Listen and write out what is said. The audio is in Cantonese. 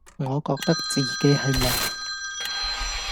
我覺得自己係零